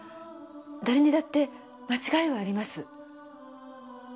誰にだって間違いはあります。